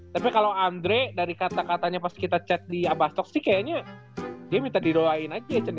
tapi kalo andre dari kata katanya pas kita chat di abastok sih kayaknya dia minta diroain aja ya cien ya